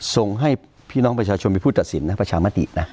ส่งให้พี่น้องประชาชนเป็นผู้ตัดสินนะประชามตินะ